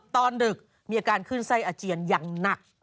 ดึกมีอาการขึ้นไส้อาเจียนอย่างหนัก